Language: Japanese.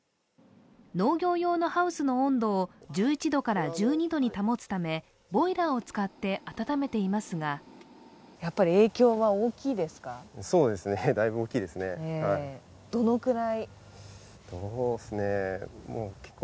農業用のハウスの温度を１１度から１２度に保つためボイラーを使って暖めていますがどのくらい？